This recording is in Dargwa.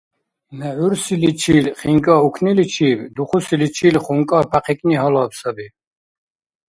МехӀурсиличил хинкӀа укниличиб, духусиличил хункӀа пяхъикӀни гьалаб саби.